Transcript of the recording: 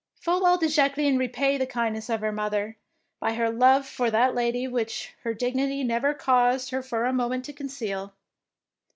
^^ Full well did Jacqueline repay the kindness of her mother, by her love for that lady which her dignity never caused her for a moment to conceal.